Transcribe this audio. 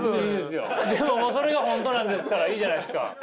でももうそれが本当なんですからいいじゃないですか。